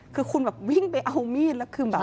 คือคุณแบบวิ่งไปเอามีดแล้วคือแบบ